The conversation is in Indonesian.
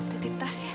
titip tas ya